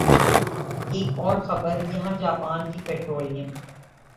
ایک اور خبر یہاں جاپان کی پٹرولیم